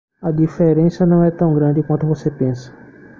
A diferença não é tão grande quanto você pensa.